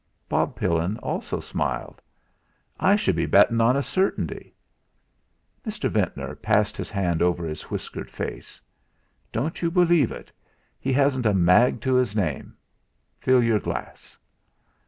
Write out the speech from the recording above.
Bob Pillin also smiled. "I should be bettin' on a certainty." Mr. Ventnor passed his hand over his whiskered face. "Don't you believe it; he hasn't a mag to his name. Fill your glass."